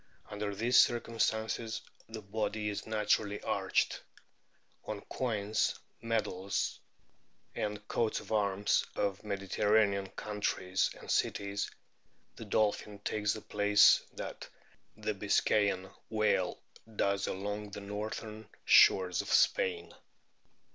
Under these circumstances the body is naturally arched. On coins, medals, anr 1 coats of arms of Mediterranean countries and cities the dolphin takes the place that the Biscayan whale does along the northern shores of Spain.